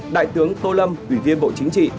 đại tướng tô lâm ủy viên bộ chính trị